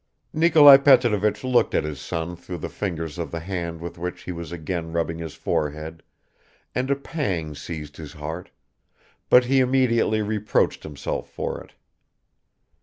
Nikolai Petrovich looked at his son through the fingers of the hand with which he was again rubbing his forehead, and a pang seized his heart ... but he immediately reproached himself for it.